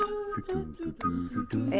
え？